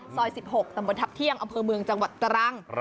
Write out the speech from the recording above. ซอย๑๖ตำบลทัพเที่ยงอำเภอเมืองจังหวัดตรัง